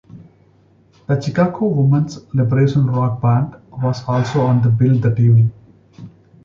The Chicago Women's Liberation Rock Band was also on the bill that evening.